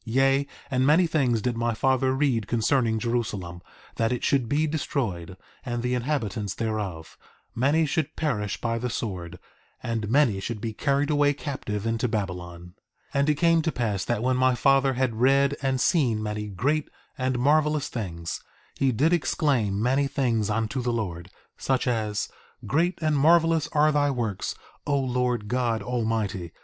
Yea, and many things did my father read concerning Jerusalem—that it should be destroyed, and the inhabitants thereof; many should perish by the sword, and many should be carried away captive into Babylon. 1:14 And it came to pass that when my father had read and seen many great and marvelous things, he did exclaim many things unto the Lord; such as: Great and marvelous are thy works, O Lord God Almighty!